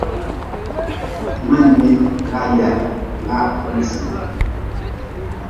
Ma-n nyi ʼʼlagerʼʼ laa ʼʼpilsʼʼ.